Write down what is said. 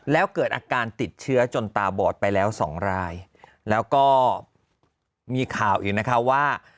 แล้วเกิดอาการติดเชื้อจนตาบอดไปแล้วสองรายแล้วก็มีข่าวอีกนะคะว่า